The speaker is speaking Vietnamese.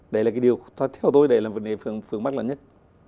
đấy là cái điều theo tôi đấy là vấn đề phương mắc lớn nhất